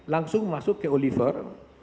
langsung masuk ke oliver